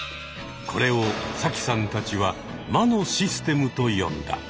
これをサキさんたちは「魔のシステム」と呼んだ。